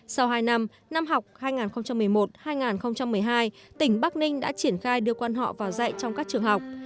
sau hai năm năm học hai nghìn một mươi một hai nghìn một mươi hai tỉnh bắc ninh đã triển khai đưa quan họ vào dạy trong các trường học